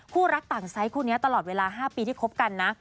คู่รักต่างไซส์คู่นี้ตลอดเวลา๕ปีที่คบกันนะ